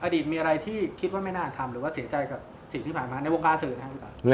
อดีตมีอะไรที่คิดว่าไม่น่าทำหรือว่าเสียใจกับสิ่งที่ผ่านมาในลูกค้าสื่อนะครับ